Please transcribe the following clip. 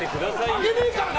あげねえからな！